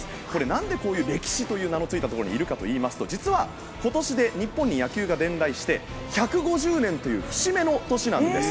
何で、こういう歴史の名のついたところにいるかといいますと実は、今年で日本に野球が伝来して１５０年という節目の年なんです。